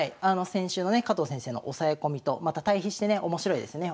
先週のね加藤先生の押さえ込みとまた対比してね面白いですね